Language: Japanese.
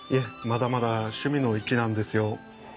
まだまだ趣味の域なんですよ。